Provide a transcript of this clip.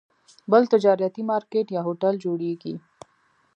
بل تجارتي مارکیټ یا هوټل جوړېږي.